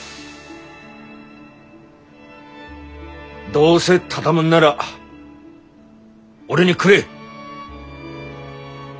どうせ畳むんなら俺にくれ！